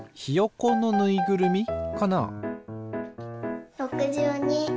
ひよこのぬいぐるみかな？